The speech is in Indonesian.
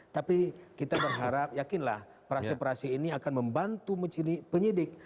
tapi kita berharap yakinlah prase ini akan membantu penyidik